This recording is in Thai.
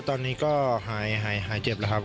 ตอนนี้ก็หายเจ็บแล้วครับ